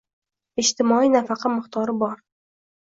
Ijtimoiy nafaqa miqdori bor